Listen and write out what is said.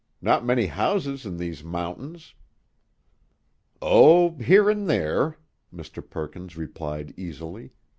Not many houses in these mountains." "Oh, here and thar," Mr. Perkins replied easily.